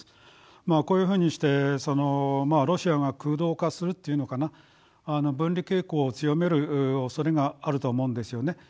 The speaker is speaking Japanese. こういうふうにしてロシアが空洞化するっていうのかな分離傾向を強めるおそれがあると思うんですよね。